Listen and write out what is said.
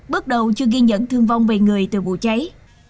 bước đầu chưa ghi nhận thương vong về người từ vụ cháy